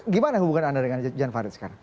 gimana hubungan anda dengan jan farid sekarang